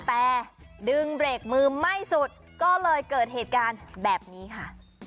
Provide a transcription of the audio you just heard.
แต่ดึงเบรกมือไม่สุดก็เลยเกิดเหตุการณ์แบบนี้ค่ะ